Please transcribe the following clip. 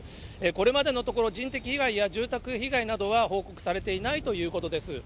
これまでのところ、人的被害や住宅被害などは報告されていないということです。